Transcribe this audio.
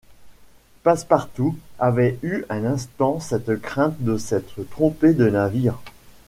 Passepartout avait eu un instant cette crainte de s’être trompé de navire!